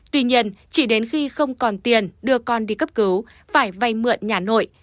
tuy nhiên chỉ đến khi không còn tiền đưa con đi cấp cứu phải vay mượn nhà nội